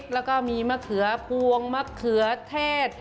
แล้วก็มีมะเขือพวงมะเขือเทศ